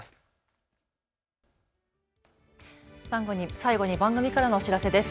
最後に番組からのお知らせです。